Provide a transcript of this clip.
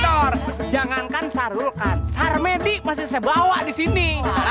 jangan jangan sarulkan sarmedi masih bawa disini